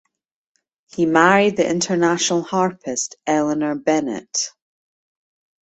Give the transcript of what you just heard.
He married the international harpist Elinor Bennett.